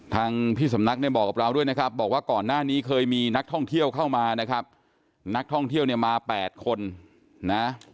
ทางพี่สำนักเนี่ยบอกกับเราด้วยนะครับบอกว่าก่อนหน้านี้เคยมีนักท่องเที่ยวเข้ามานะครับนักท่องเที่ยวเนี่ยมา๘คนนะ